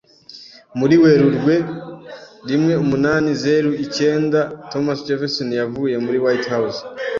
Muri Werurwe rimweumunanizeruicyenda, Thomas Jefferson yavuye muri White House.